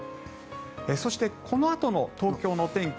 そしてこのあとの東京のお天気